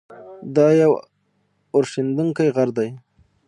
دا یو اورښیندونکی غر دی.